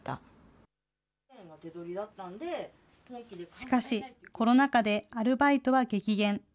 しかし、コロナ禍でアルバイトは激減。